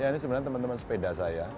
ini sebenarnya teman teman sepeda saya